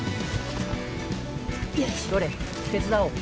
どれ手伝おう。